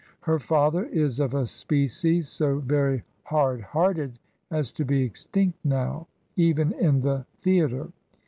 Her father is of a species so very hard hearted as to be extinct now, even in the thea tre.